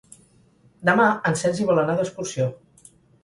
Demà en Sergi vol anar d'excursió.